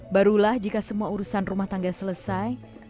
barulah jika semua urusan rumah tangga selesai